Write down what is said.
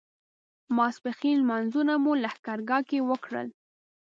ماسپښین لمونځونه مو لښکرګاه کې وکړل.